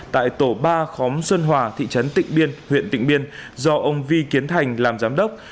tại tổ ba khóm xuân hòa thị trấn tịnh biên huyện tịnh biên do ông vi kiến thành làm giám đốc